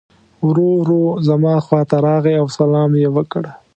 ورو ورو زما خواته راغی او سلام یې وکړ.